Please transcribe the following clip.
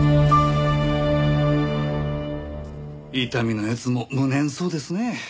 伊丹の奴も無念そうですね。